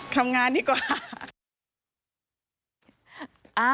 ทำงานดีกว่า